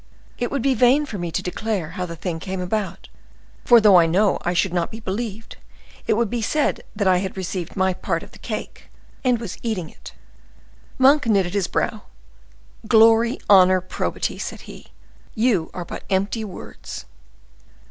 It would be vain for me to declare how the thing came about, for though I know I should not be believed, it would be said that I had received my part of the cake, and was eating it." Monk knitted his brow.—"Glory, honor, probity!" said he, "you are but empty words."